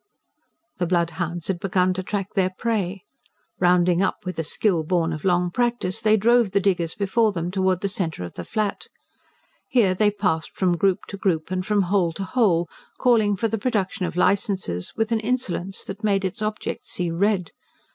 The "bloodhounds" had begun to track their prey. Rounding up, with a skill born of long practice, they drove the diggers before them towards the centre of the Flat. Here they passed from group to group and from hole to hole, calling for the production of licences with an insolence that made its object see red.